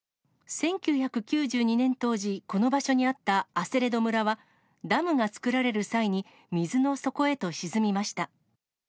１９９２年当時、この場所にあったアセレド村は、ダムが造られる際に水の底へと沈みました。